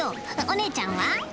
おねえちゃんは？